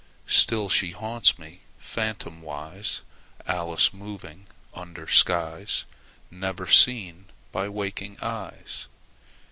Still she haunts me, phantomwise, Alice moving under skies Never seen by waking eyes.